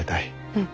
うん。